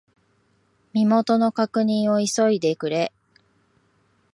身元の確認を急いでくれ。